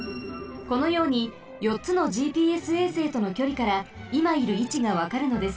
このようによっつのＧＰＳ衛星とのきょりからいまいるいちがわかるのです。